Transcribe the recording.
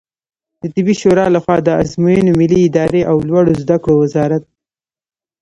د طبي شورا له خوا د آزموینو ملي ادارې او لوړو زده کړو وزارت